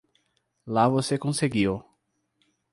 Lá você conseguiu!